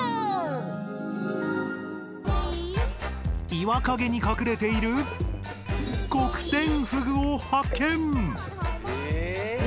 岩陰に隠れているコクテンフグを発見！